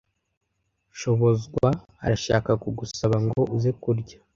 Shobonzwa arashaka kugusaba ngo uze kurya.